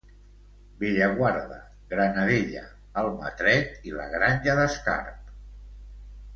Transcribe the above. Bellaguarda, Granadella, Almatret i la Granja d'Escarp.